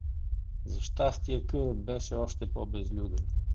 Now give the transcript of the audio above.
За щастие кърът беше още по-безлюден.